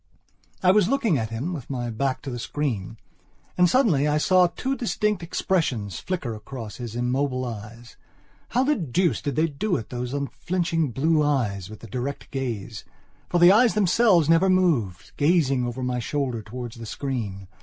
I was looking at him, with my back to the screen. And suddenly, I saw two distinct expressions flicker across his immobile eyes. How the deuce did they do it, those unflinching blue eyes with the direct gaze? For the eyes themselves never moved, gazing over my shoulder towards the screen.